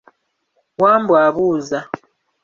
Wambwa abuuza.